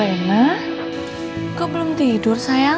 rena kok belum tidur sayang